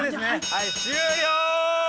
はい終了！